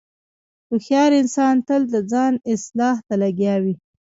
هوښیار انسان تل د ځان اصلاح ته لګیا وي.